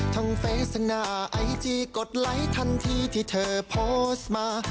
เฟสหน้าไอจีกดไลค์ทันทีที่เธอโพสต์มา